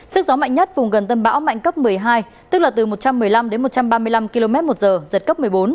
sức gió mạnh nhất vùng gần tâm bão mạnh cấp một mươi hai tức là từ một trăm một mươi năm đến một trăm ba mươi năm km một giờ giật cấp một mươi bốn